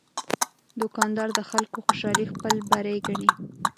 دوکاندار د خلکو خوشالي خپل بری ګڼي.